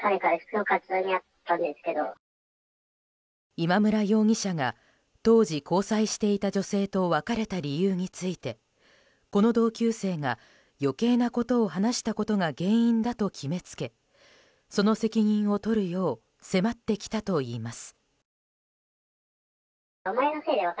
今村容疑者が当時交際していた女性と別れた理由についてこの同級生が余計なことを話したことが原因だと決めつけその責任を取るよう迫ってきたといいます。